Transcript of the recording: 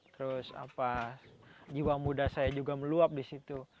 terus jiwa muda saya juga meluap di situ